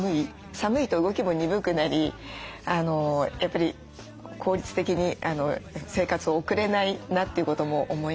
寒いと動きも鈍くなりやっぱり効率的に生活を送れないなということも思いましたし。